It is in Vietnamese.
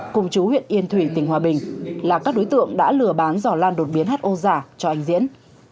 cùng chú huyện yên thủy tỉnh hòa bình là các đối tượng đã lừa bán giò lan đột biến ho giả cho anh diễn